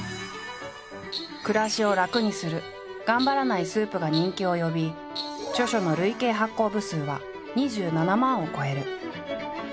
暮らしを楽にする頑張らないスープが人気を呼び著書の累計発行部数は２７万を超える。